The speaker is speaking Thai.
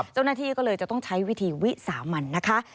เจ้าหน้าที่ก็เลยจะต้องใช้วิธีวิสามันนะคะ